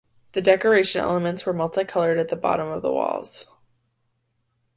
The decoration elements were multicoloured at the bottom of the walls.